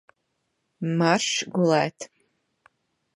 Maršs gulēt!